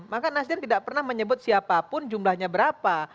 maka nasdem tidak pernah menyebut siapapun jumlahnya berapa